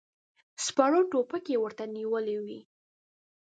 سپرو ټوپکې ورته نيولې وې.